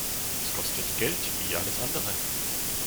Es kostet Geld wie alles andere.